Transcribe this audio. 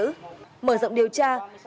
mở rộng điều tra cơ quan công an tiếp tục bắt giữ